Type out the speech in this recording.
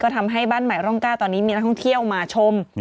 ทำให้บ้านใหม่ร่องกล้าตอนนี้มีนักท่องเที่ยวมาชม